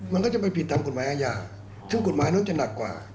มันก็จะไปผิดตามกฎหมายอาญาซึ่งกฎหมายนั้นจะหนักกว่า